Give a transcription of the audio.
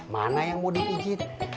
mana yang mau dipijit